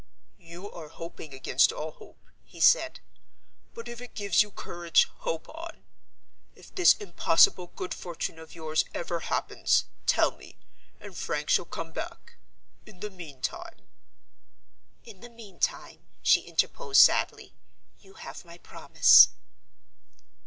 "You are hoping against all hope," he said; "but if it gives you courage, hope on. If this impossible good fortune of yours ever happens, tell me, and Frank shall come back. In the meantime—" "In the meantime," she interposed sadly, "you have my promise."